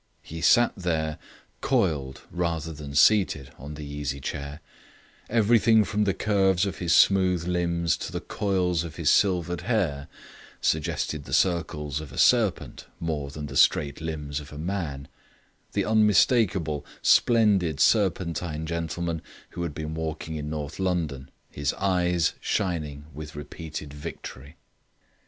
He sat there, coiled rather than seated on the easy chair; everything from the curves of his smooth limbs to the coils of his silvered hair suggesting the circles of a serpent more than the straight limbs of a man the unmistakable, splendid serpentine gentleman we had seen walking in North London, his eyes shining with repeated victory.